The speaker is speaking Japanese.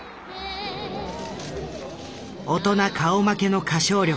大人顔負けの歌唱力。